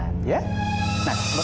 boleh masuk asal pergantian